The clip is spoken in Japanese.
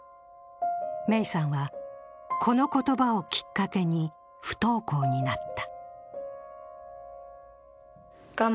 芽生さんは、この言葉をきっかけに不登校になった。